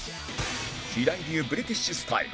平井流ブリティッシュスタイル